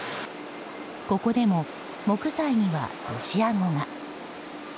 ここでも木材にはロシア語が。